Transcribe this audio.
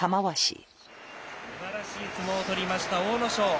すばらしい相撲を取りました、阿武咲。